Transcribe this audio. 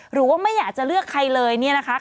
หรือว่าไม่อยากจะเลือกใครเลยเนี่ยนะคะ